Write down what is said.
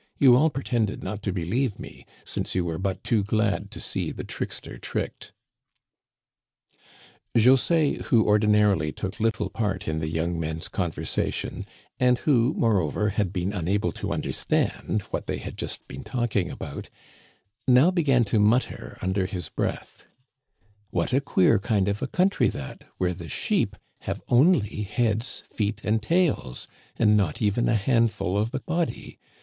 You all pretended not to believe me, since you were but too glad to see the trickster tricked." José, who ordinarily took little part in the young men's conversation, and who, moreover, had been unable to understand what they had just been talking about, now began to mutter under his breath :What a queer kind of a country that, where the sheep have only heads, feet, and tails, and not even a handful of a body